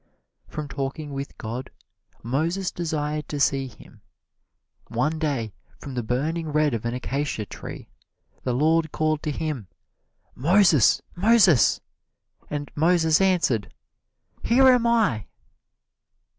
From talking with God, Moses desired to see Him. One day, from the burning red of an acacia tree, the Lord called to him, "Moses, Moses!" And Moses answered, "Here am I!"